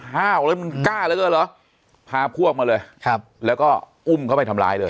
มันกล้าแล้วเหรอพาพวกมาเลยครับแล้วก็อุ้มเขาไปทำร้ายด้วย